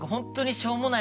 しょうもない？